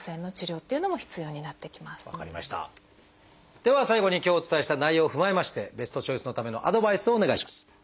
では最後に今日お伝えした内容を踏まえましてベストチョイスのためのアドバイスをお願いします。